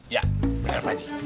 ya bener paji